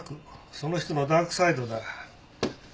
その人のダークサイドだ。